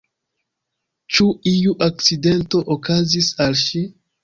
Ĉu iu akcidento okazis al ŝi?